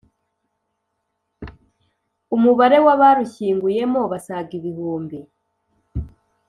, umubare w’abarushyinguyemo basaga ibihumbi